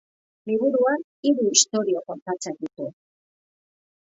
Liburuan hiru istorio kontatzen ditu.